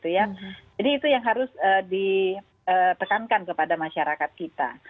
jadi itu yang harus ditekankan kepada masyarakat kita